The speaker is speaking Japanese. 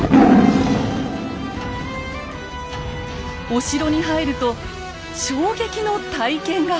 お城に入ると衝撃の体験が。